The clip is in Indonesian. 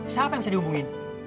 siapa yang bisa dihubungin